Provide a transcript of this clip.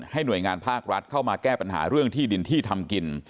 หน่วยงานภาครัฐเข้ามาแก้ปัญหาเรื่องที่ดินที่ทำกิน